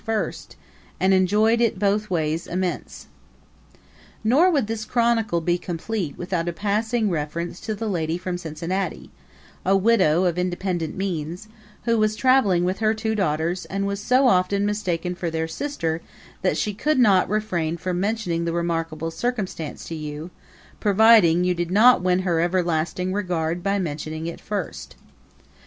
First and enjoyed it both ways immense!" Nor would this chronicle be complete without a passing reference to the lady from Cincinnati, a widow of independent means, who was traveling with her two daughters and was so often mistaken for their sister that she could not refrain from mentioning the remarkable circumstance to you, providing you did not win her everlasting regard by mentioning it first.